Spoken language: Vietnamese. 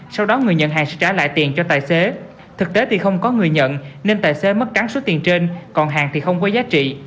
sau đó người nhận hàng sẽ trả lại tiền cho tài xế thực tế thì không có người nhận nên tài xế mất trắng số tiền trên còn hàng thì không có giá trị